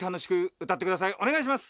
おねがいします！